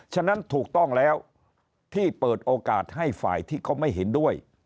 ฉะนั้นถูกต้องแล้วที่เปิดโอกาสให้ฝ่ายที่เขาไม่เห็นด้วย